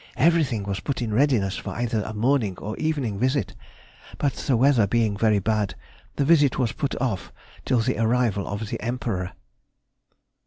Everything was put in readiness for either a morning or evening visit, but the weather being very bad, the visit was put off till the arrival of the Emperor.